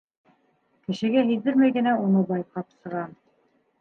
Кешегә һиҙҙермәй генә уны байҡап сығам.